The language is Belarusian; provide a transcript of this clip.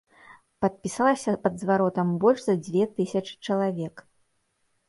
Падпісалася пад зваротам больш за дзве тысячы чалавек.